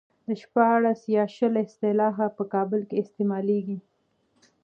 د شپاړس يا شل اصطلاح په کابل کې استعمالېږي.